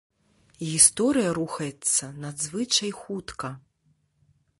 Гісторыя рухаецца надзвычай хутка.